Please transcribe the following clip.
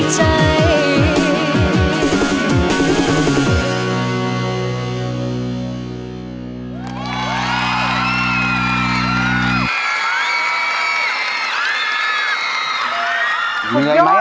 ฉันยิ่วเหลื่อยมา